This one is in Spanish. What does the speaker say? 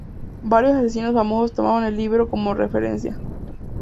Varios asesinos famosos tomaron el libro como referencia.